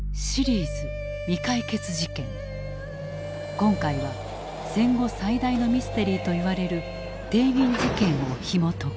今回は戦後最大のミステリーといわれる帝銀事件をひもとく。